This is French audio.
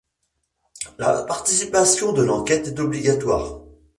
La participation à l’enquête est obligatoire.